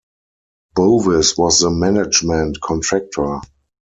Bovis was the management contractor.